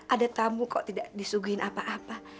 ada tamu kok tidak disuguhin apa apa